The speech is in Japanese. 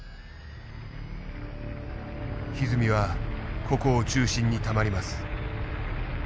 ひずみはここを中心にたまります。